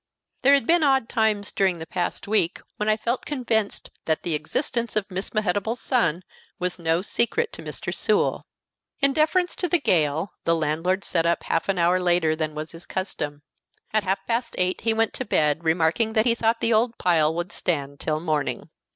There had been odd times during the past week when I felt convinced that the existence of Miss Mehetabel's son was no secret to Mr. Sewell. In deference to the gale, the landlord sat up half an hour later than was his custom. At half past eight he went to bed, remarking that he thought the old pile would stand till morning.